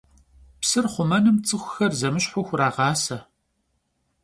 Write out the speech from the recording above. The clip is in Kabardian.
Psır xhumenım ts'ıxuxer zemışhu xurağase.